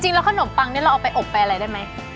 จริงแล้วขนมปังแบบนี้เราเอาออกไปอะไรได้ไหม